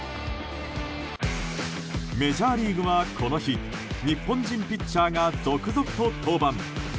メジャーリーグはこの日日本人ピッチャーが続々と登板。